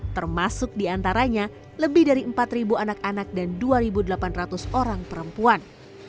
termasuk di antaranya lebih dari empat anak anak dan dua delapan ratus orang perempuan